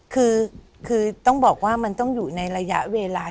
คือต้องบอกว่ามันต้องอยู่ในระยะเวลา